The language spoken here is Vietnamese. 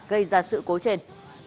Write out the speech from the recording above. gây ra sự cố trên